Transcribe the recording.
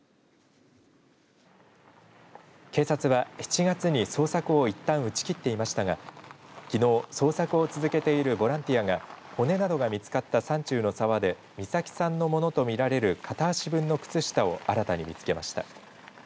警察は、７月に捜索をいったん打ち切っていましたがきのう捜索を続けているボランティアが骨などが見つかった山中の沢で美咲さんのものと見られる片足分の靴下を新たに見つけました。